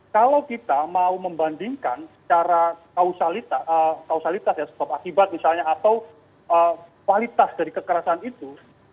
kalau kita mau membandingkan secara kausalitas ya sebab akibat misalnya atau kualitas dari kekerasan itu